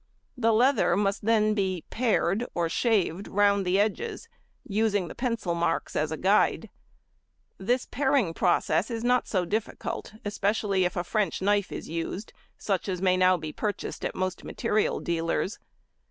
The leather must then be "pared," or shaved round the edges, using the pencil marks as a guide. This paring process is not so difficult, especially if a French knife is used, such as may now be purchased at most material dealers.